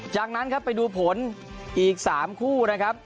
จากนั้นครับไปดูผลอีก๓คู่นะครับ